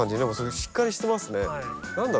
すごいしっかりしてますね。